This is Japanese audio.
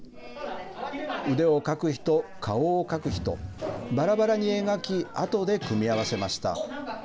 腕を描く人、顔を描く人、ばらばらに描き、あとで組み合わせました。